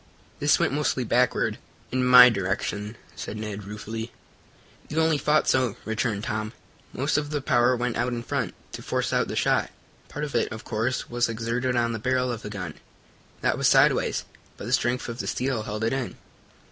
"This went mostly backward in my direction," said Ned ruefully. "You only thought so," returned Tom. "Most of the power went out in front, to force out the shot. Part of it, of course, was exerted on the barrel of the gun that was sideways but the strength of the steel held it in.